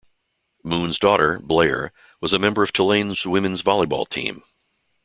Moon's daughter, Blair, was a member of Tulane's women's volleyball team.